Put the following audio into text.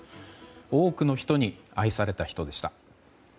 多くの人に愛された人でした。